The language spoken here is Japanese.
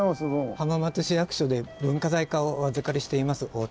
浜松市役所で文化財課をお預かりしています太田と申します。